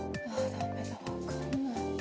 ダメだ分かんない。